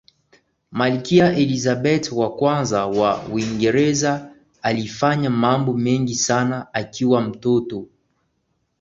malkia elizabeth wa kwanza wa uingereza alifanya mambo mengi sana akiwa mtoto